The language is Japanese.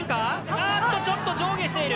あっとちょっと上下している！